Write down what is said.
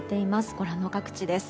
ご覧の各地です。